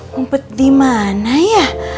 numpet dimana ya